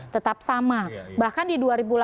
tetap sama bahkan di dua ribu delapan belas